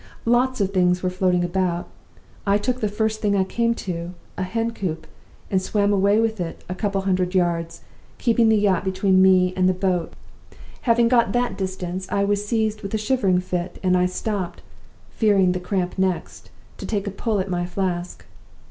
Lots of things were floating about. I took the first thing I came to a hen coop and swam away with it about a couple of hundred yards, keeping the yacht between me and the boat. Having got that distance, I was seized with a shivering fit, and I stopped (fearing the cramp next) to take a pull at my flask.